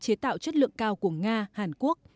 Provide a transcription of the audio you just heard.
chế tạo chất lượng cao của nga hàn quốc